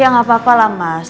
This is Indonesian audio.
ya nggak apa apa lah mas